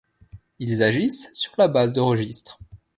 Ils agissent sur la base de registre.